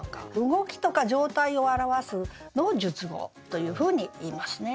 動きとか状態を表すのを述語というふうにいいますね。